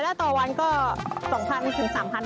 และต่อวันก็๒๐๐๐๓๐๐๐บาท